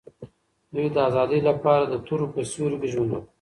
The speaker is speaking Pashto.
دوی د آزادۍ لپاره د تورو په سیوري کې ژوند وکړ.